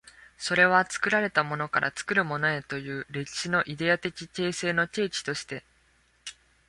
それは作られたものから作るものへという歴史のイデヤ的形成の契機として、